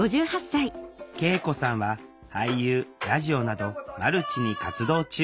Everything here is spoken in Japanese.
圭永子さんは俳優ラジオなどマルチに活動中。